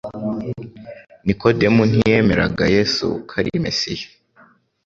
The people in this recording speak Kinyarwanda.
Nikodemu ntiyemeraga Yesu ko ari Mesiya,